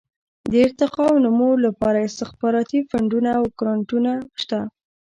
د ارتقاء او نمو لپاره استخباراتي فنډونه او ګرانټونه شته.